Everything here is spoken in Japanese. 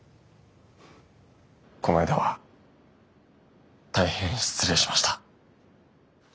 この間は大変失礼しました。